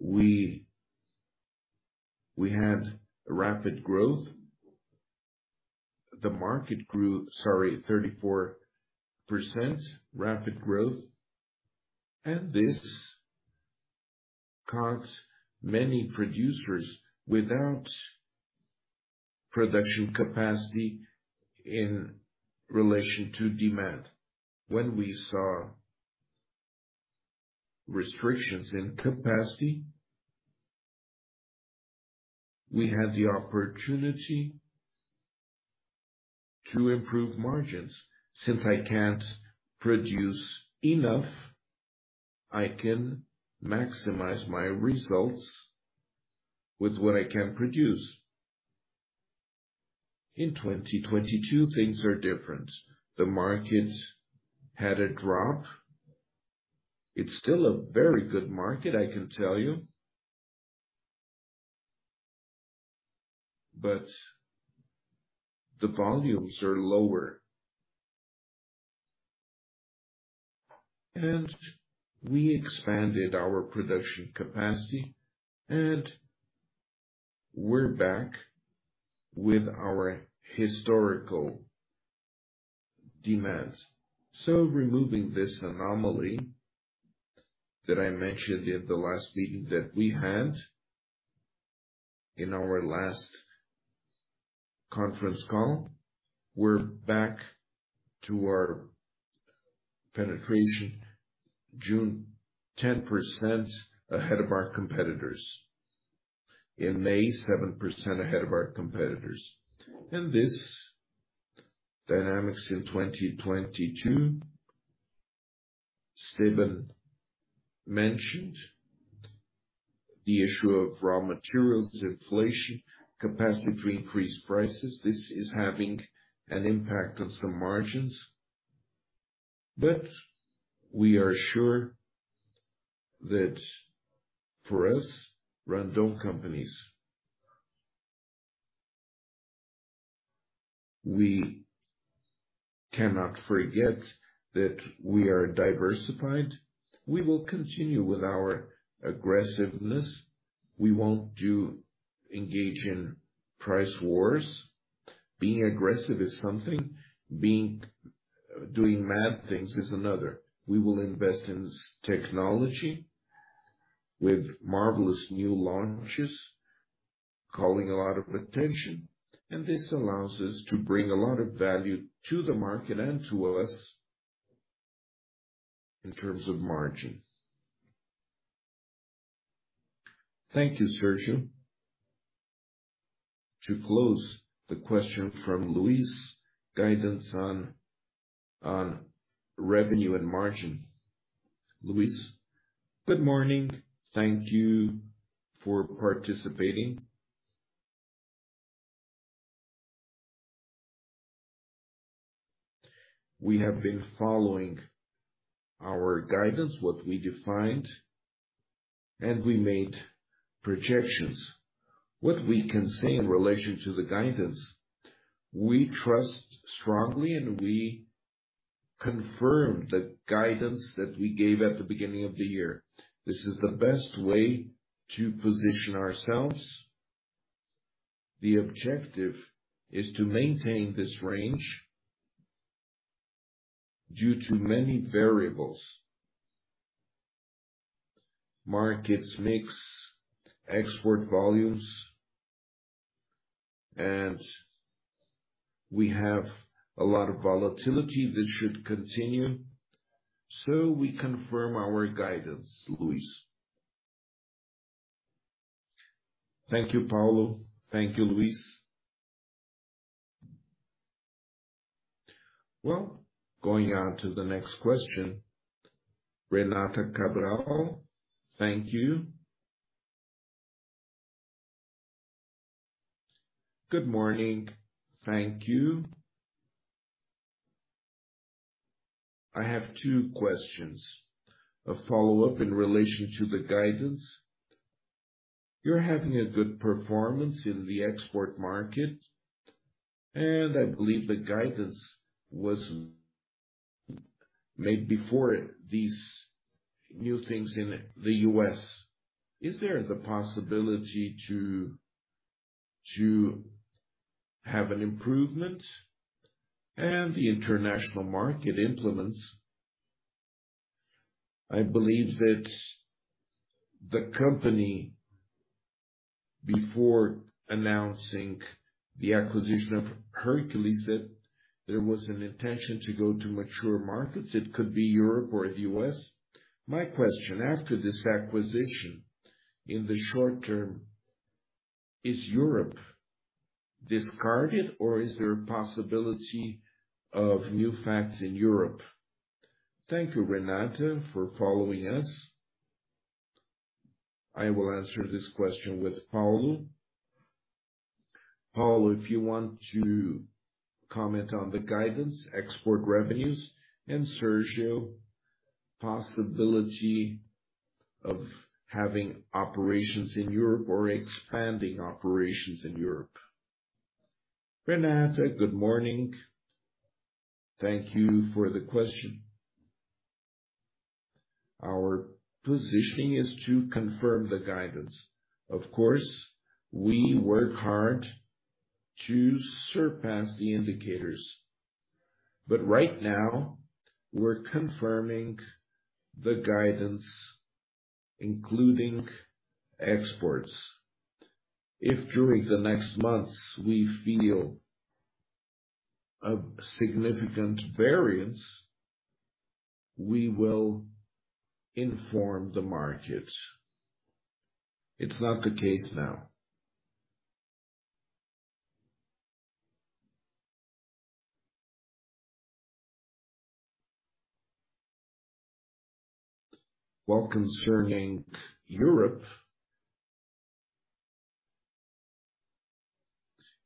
We had rapid growth. The market grew 34% rapid growth. This caught many producers without production capacity in relation to demand. When we saw restrictions in capacity, we had the opportunity to improve margins. Since I can't produce enough, I can maximize my results with what I can produce. In 2022 things are different. The market had a drop. It's still a very good market, I can tell you. The volumes are lower. We expanded our production capacity and we're back with our historical demands. Removing this anomaly that I mentioned in the last meeting that we had in our last conference call, we're back to our penetration, June, 10% ahead of our competitors. In May, 7% ahead of our competitors. This dynamics in 2022, Sandro Trentin mentioned the issue of raw materials, inflation, capacity to increase prices. This is having an impact on some margins. We are sure that for us, Randon companies, we cannot forget that we are diversified. We will continue with our aggressiveness. We won't engage in price wars. Being aggressive is something. Doing mad things is another. We will invest in technology with marvelous new launches, calling a lot of attention, and this allows us to bring a lot of value to the market and to us in terms of margin. Thank you, Sérgio. To close the question from Luiz, guidance on revenue and margin. Luiz. Good morning. Thank you for participating. We have been following our guidance, what we defined, and we made projections. What we can say in relation to the guidance, we trust strongly and we confirm the guidance that we gave at the beginning of the year. This is the best way to position ourselves. The objective is to maintain this range due to many variables. Market mix, export volumes, and we have a lot of volatility that should continue. We confirm our guidance, Luiz. Thank you, Paulo. Thank you, Luiz. Well, going on to the next question. Renata Cabral. Thank you. Good morning. Thank you. I have two questions. A follow-up in relation to the guidance. You are having a good performance in the export market, and I believe the guidance was made before these new things in the U.S. Is there the possibility to have an improvement in the international market? I believe that the company, before announcing the acquisition of Hercules, that there was an intention to go to mature markets. It could be Europe or the U.S. My question, after this acquisition, in the short term, is Europe discarded or is there a possibility of new M&As in Europe? Thank you, Renata, for following up. I will answer this question with Paulo. Paulo, if you want to comment on the guidance, export revenues, and Sérgio, possibility of having operations in Europe or expanding operations in Europe. Renata, good morning. Thank you for the question. Our positioning is to confirm the guidance. Of course, we work hard to surpass the indicators, but right now we're confirming the guidance, including exports. If during the next months we feel a significant variance, we will inform the market. It's not the case now. Well, concerning Europe.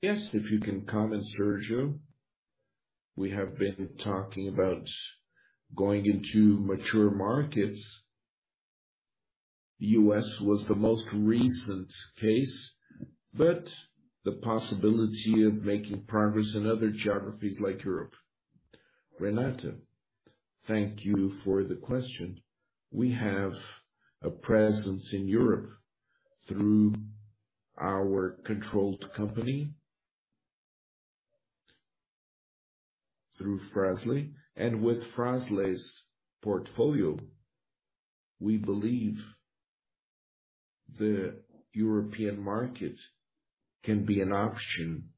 Yes, if you can comment, Sérgio. We have been talking about going into mature markets. U.S. was the most recent case, but the possibility of making progress in other geographies like Europe. Renata, thank you for the question. We have a presence in Europe through our controlled company, through Fras-le. With Fras-le's portfolio, we believe the European market can be an option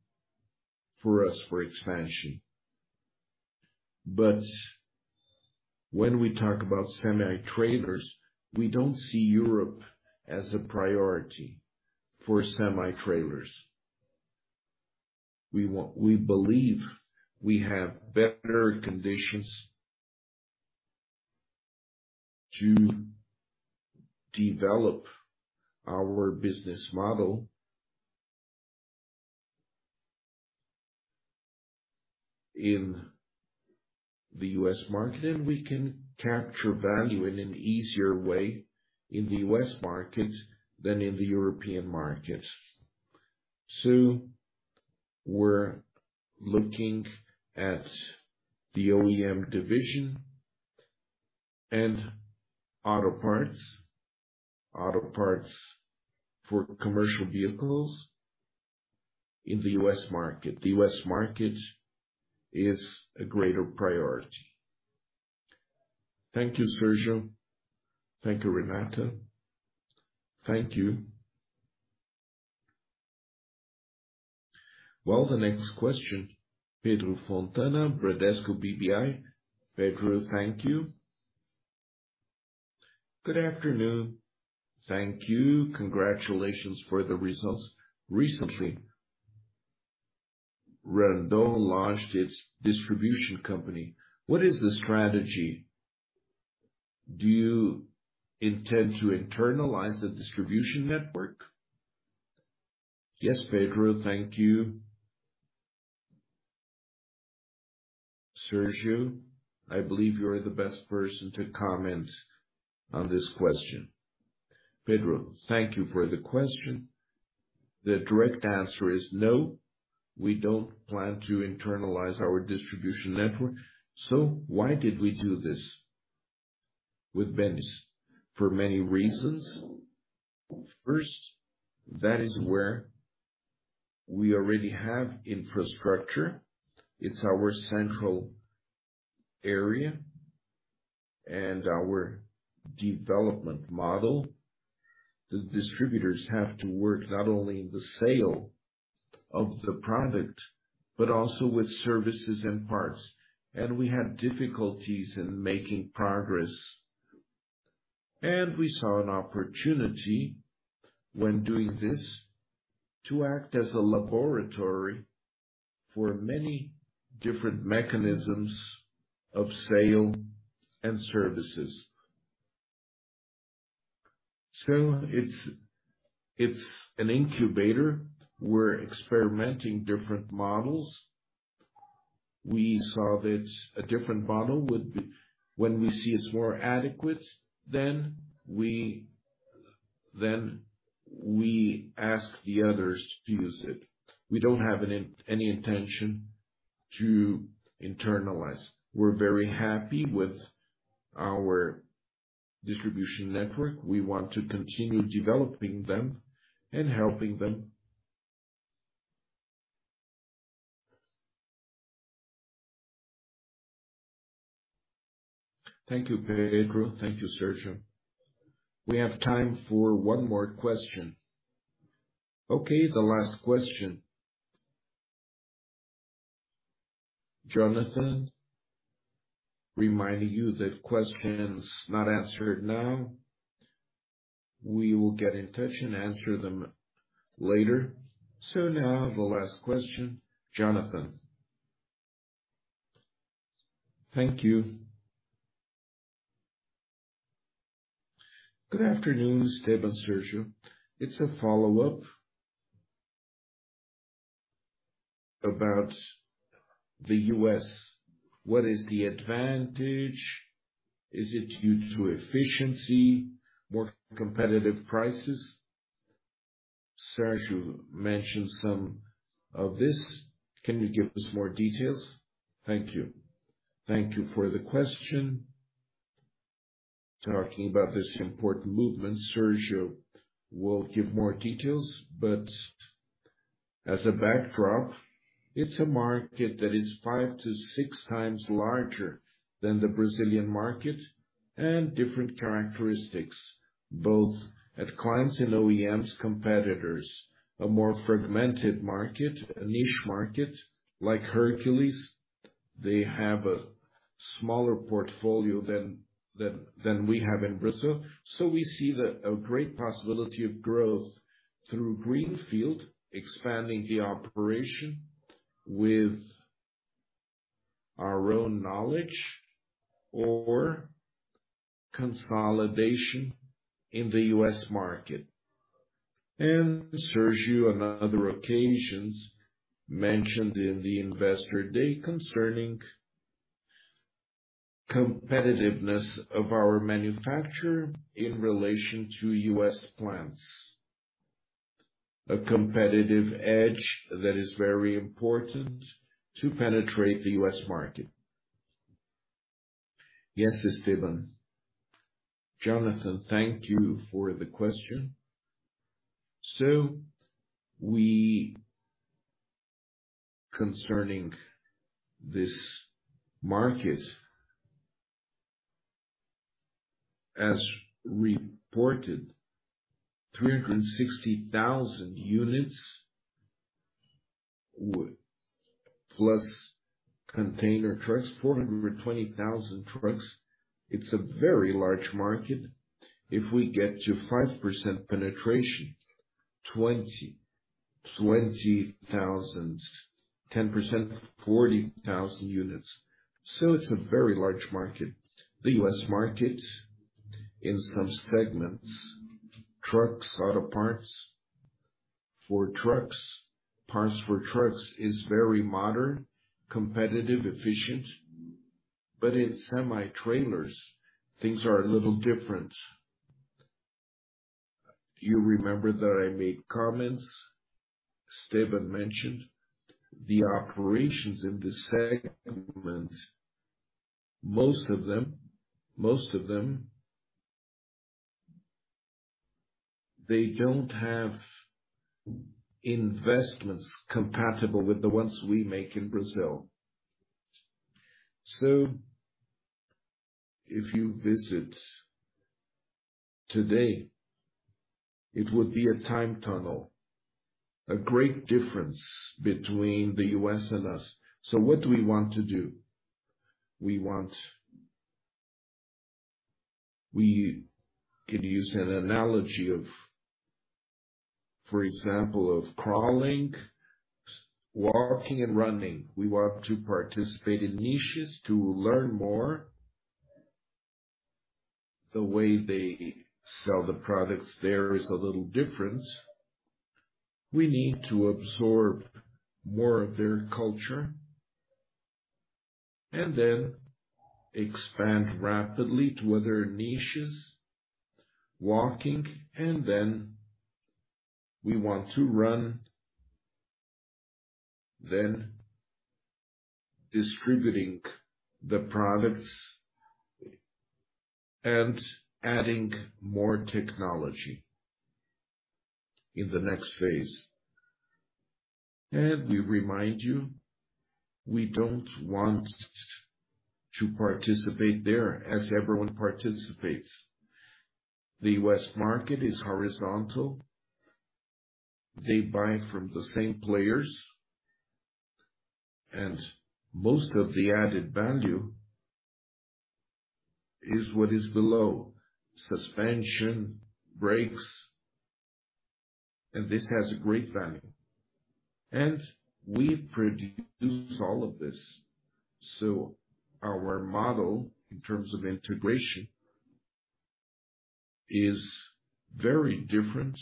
for us for expansion. But when we talk about semi-trailers, we don't see Europe as a priority for semi-trailers. We believe we have better conditions to develop our business model in the U.S. market, and we can capture value in an easier way in the U.S. market than in the European market. We're looking at the OEM division and auto parts, auto parts for commercial vehicles in the U.S. market. The U.S. market is a greater priority. Thank you, Sérgio. Thank you, Renata. Thank you. Well, the next question, Pedro Fontana, Bradesco BBI. Pedro, thank you. Good afternoon. Thank you. Congratulations for the results. Recently, Randon launched its distribution company. What is the strategy? Do you intend to internalize the distribution network? Yes, Pedro. Thank you. Sérgio, I believe you are the best person to comment on this question. Pedro, thank you for the question. The direct answer is no, we don't plan to internalize our distribution network. Why did we do this with Bennis? For many reasons. First, that is where we already have infrastructure. It's our central area and our development model. The distributors have to work not only in the sale of the product, but also with services and parts. We had difficulties in making progress. We saw an opportunity when doing this to act as a laboratory for many different mechanisms of sale and services. It's an incubator. We're experimenting different models. We saw that a different model when we see it's more adequate, then we ask the others to use it. We don't have any intention to internalize. We're very happy with our distribution network. We want to continue developing them and helping them. Thank you, Pedro. Thank you, Sérgio. We have time for one more question. Okay, the last question. Jonathan, reminding you that questions not answered now, we will get in touch and answer them later. Now the last question, Jonathan. Thank you. Good afternoon, Sandro, Sérgio. It's a follow-up about the U.S. What is the advantage? Is it due to efficiency, more competitive prices? Sérgio mentioned some of this. Can you give us more details? Thank you. Thank you for the question. Talking about this important movement, Sérgio will give more details, but as a backdrop, it's a market that is 5-6 times larger than the Brazilian market and different characteristics, both at clients and OEMs competitors. A more fragmented market, a niche market like Hercules. They have a smaller portfolio than we have in Brazil. We see that a great possibility of growth through Greenfield, expanding the operation with our own knowledge or consolidation in the U.S. market. Sérgio, on other occasions, mentioned in the Investor Day concerning competitiveness of our manufacturing in relation to U.S. plants. A competitive edge that is very important to penetrate the U.S. market. Yes, Sandro. Jonathan, thank you for the question. Concerning this market, as reported, 360,000 units, plus container trucks, 420,000 trucks. It's a very large market. If we get to 5% penetration, 20,000, 10%, 40,000 units. It's a very large market. The U.S. market in some segments, trucks, auto parts for trucks, parts for trucks, is very modern, competitive, efficient, but in semi-trailers, things are a little different. You remember that I made comments, Sandro mentioned, the operations in the segment, most of them, they don't have investments compatible with the ones we make in Brazil. If you visit today, it would be a time tunnel, a great difference between the U.S. and us. What do we want to do? We want. We could use an analogy of, for example, of crawling, walking and running. We want to participate in niches to learn more. The way they sell the products there is a little different. We need to absorb more of their culture and then expand rapidly to other niches, walking, and then we want to run, then distributing the products and adding more technology in the next phase. We remind you, we don't want to participate there as everyone participates. The U.S. market is horizontal. They buy from the same players, and most of the added value is what is below. Suspension, brakes, and this has great value. We produce all of this. Our model in terms of integration is very different.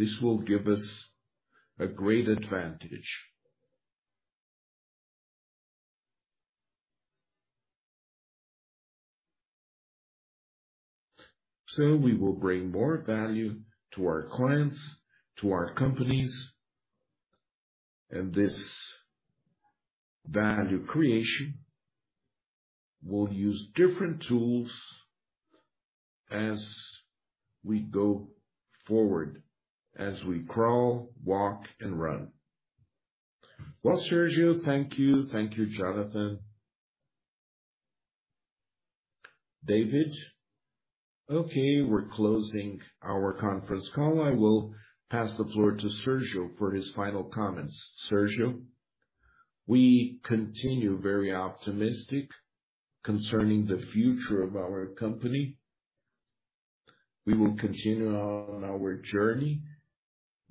This will give us a great advantage. We will bring more value to our clients, to our companies, and this value creation will use different tools as we go forward, as we crawl, walk, and run. Well, Sérgio, thank you. Thank you, Jonathan. David? Okay, we're closing our conference call. I will pass the floor to Sérgio for his final comments. Sérgio? We continue very optimistic concerning the future of our company. We will continue on our journey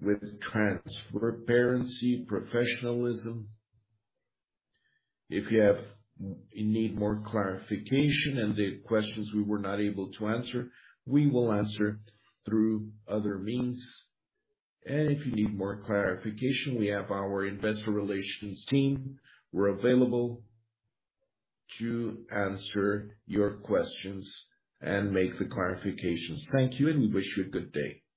with transparency, professionalism. You need more clarification and the questions we were not able to answer, we will answer through other means. If you need more clarification, we have our investor relations team, we're available to answer your questions and make the clarifications. Thank you, and we wish you a good day.